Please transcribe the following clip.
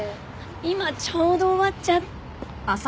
今ちょうど終わっちゃっ。